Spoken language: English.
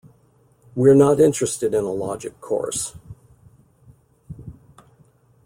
We're not interested in a logic course.